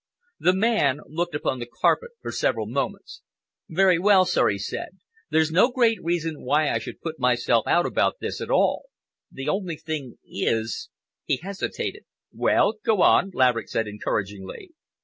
The man looked upon the carpet for several moments. "Very well, sir," he said, "there's no great reason why I should put myself out about this at all. The only thing is—" He hesitated. "Well, go on," Laverick said encouragingly.